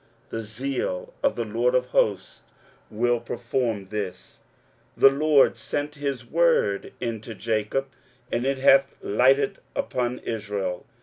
The zeal of the LORD of hosts will perform this. 23:009:008 The Lord sent a word into Jacob, and it hath lighted upon Israel.